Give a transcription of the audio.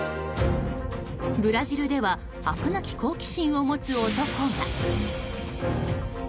ブラジルではあくなき好奇心を持つ男が。